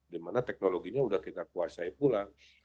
di mana teknologinya sudah kita kuasai pula